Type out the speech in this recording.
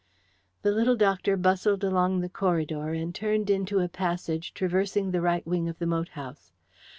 The little doctor bustled along the corridor, and turned into a passage traversing the right wing of the moat house.